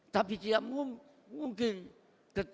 bapak ras menjadi salah satu wakil ketuanya